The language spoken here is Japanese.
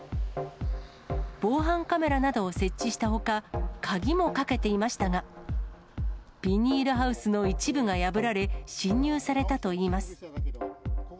防犯カメラなどを設置したほか、鍵もかけていましたが、ビニールハウスの一部が破られ、侵入されたといいます。